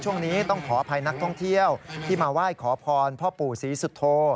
ช่วงนี้ต้องขออภัยนักท่องเที่ยวที่มาไหว้ขอพรพ่อปู่ศรีสุโธ